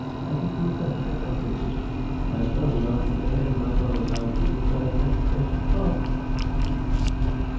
I think we had better take our places. I suppose as I am at the head of my brother's house we had better take the place at the top."